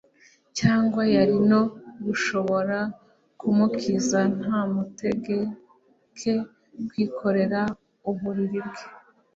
cyangwa yari no gushobora kumukiza ntamutegeke kwikorera uburiri bwe